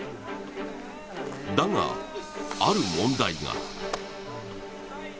だが、ある問題が。